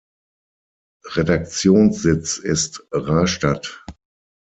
Redaktionssitz ist Rastatt.